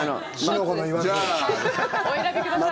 お選びください。